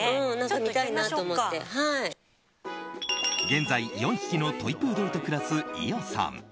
現在４匹のトイプードルと暮らす伊代さん。